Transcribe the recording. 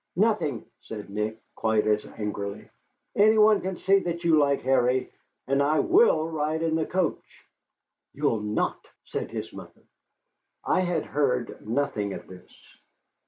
"Nothing," said Nick, quite as angrily. "Any one can see that you like Harry. And I will ride in the coach." "You'll not," said his mother. I had heard nothing of this.